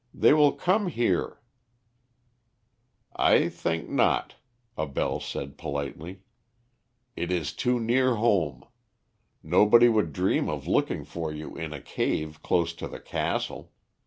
They will come here " "I think not," Abell said politely. "It is too near home. Nobody would dream of looking for you in a cave close to the castle.